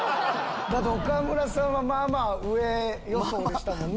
岡村さんはまぁまぁ上予想でしたもんね。